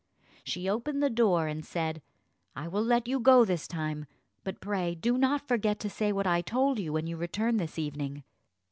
She opened the door, and said, "I will let you go this time; but pray do not forget to say what I told you, when you return this evening."